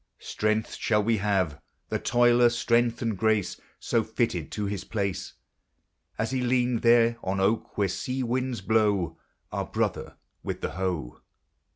Strength shall he have, the toiler, strength and grace, So fitted to his place As he leaned, there, an oak where sea winds blow, Our brother with the hoe.